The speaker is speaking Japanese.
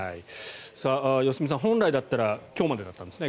良純さん、本来だったら今日までだったんですね